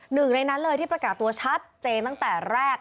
หนึ่งในนั้นเลยที่ประกาศตัวชัดเจนตั้งแต่แรก